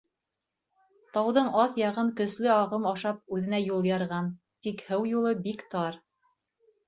Тауҙың аҫ яғын көслө ағым ашап үҙенә юл ярған, тик һыу юлы бик тар.